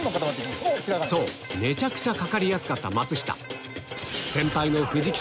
めちゃくちゃかかりやすかった松下